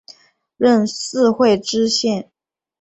任四会知县。